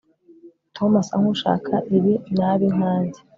tom asa nkushaka ibi nabi nkanjye